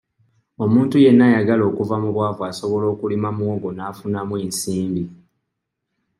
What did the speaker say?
Omuntu yenna ayagala okuva mu bwavu asobola okulima muwogo n'afunamu ensimbi.